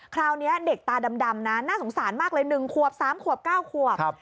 คราวนี้เด็กตาดำนะน่าสงสารมากเลย๑ขวบ๓ขวบ๙ขวบ